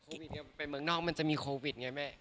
โควิดนี้ไปเมืองนอกมันจะมีโควิดไงแม่